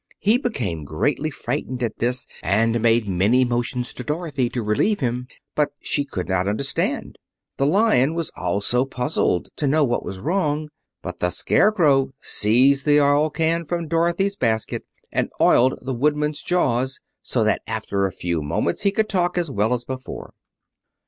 He became greatly frightened at this and made many motions to Dorothy to relieve him, but she could not understand. The Lion was also puzzled to know what was wrong. But the Scarecrow seized the oil can from Dorothy's basket and oiled the Woodman's jaws, so that after a few moments he could talk as well as before.